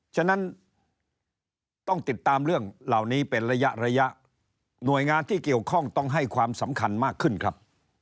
ฉะนั้นต้องติดตามเรื่องเหล่านี้เป็นระยะระยะหน่วยงานที่เกี่ยวข้องต้องให้ความสำคัญมากขึ้นครับ